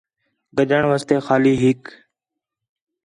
گڈھݨ واسطے خالی ہِک